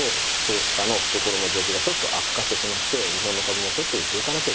投資家の懐の状況がちょっと悪化してしまって日本の株もちょっと売っておかなきゃいけない。